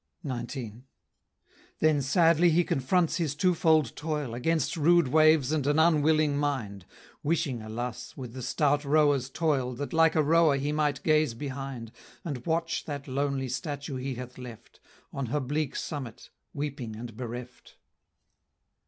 XIX. Then sadly he confronts his twofold toil Against rude waves and an unwilling mind, Wishing, alas! with the stout rower's toil, That like a rower he might gaze behind, And watch that lonely statue he hath left, On her bleak summit, weeping and bereft!